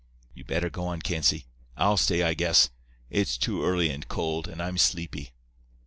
You better go on, Clancy. I'll stay, I guess. It's too early and cold, and I'm sleepy.